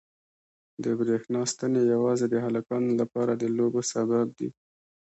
د برېښنا ستنې یوازې د هلکانو لپاره د لوبو سبب دي.